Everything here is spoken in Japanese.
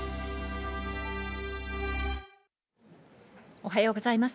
おはようございます。